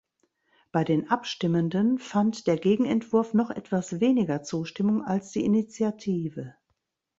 Bei den Abstimmenden fand der Gegenentwurf noch etwas weniger Zustimmung als die Initiative.